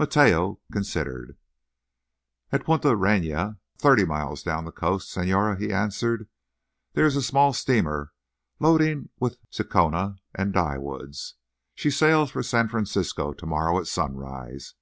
Mateo considered. "At Punta Reina, thirty miles down the coast, señora," he answered, "there is a small steamer loading with cinchona and dyewoods. She sails for San Francisco to morrow at sunrise.